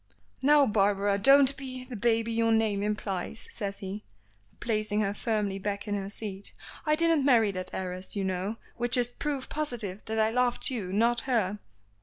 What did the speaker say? "Now, Barbara, don't be the baby your name implies," says he, placing her firmly back in her seat. "I didn't marry that heiress, you know, which is proof positive that I loved you, not her."